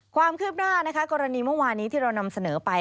ความคืบหน้านะคะกรณีเมื่อวานี้ที่เรานำเสนอไป